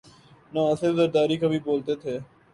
نہ آصف علی زرداری کبھی بولتے تھے۔